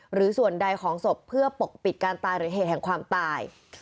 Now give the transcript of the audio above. หรือส่วนใดของศพเพื่อปกปิดการตายหรือเหตุแห่งความตาย